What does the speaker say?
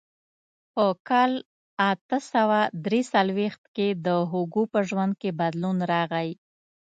په کال اته سوه درې څلوېښت کې د هوګو په ژوند کې بدلون راغی.